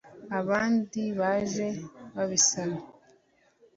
abandi baje babisaba